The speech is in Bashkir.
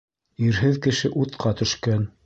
Ирһеҙ кеше утҡа төшкән.